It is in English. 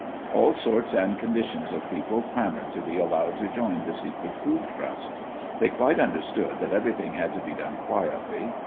All sorts and conditions of people clamoured to be allowed to join the secret food trust. They quite understood that everything had to be done quietly.